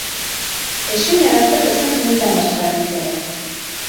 Эшен яратып, ысын күңелдән башҡара Миңзәлә.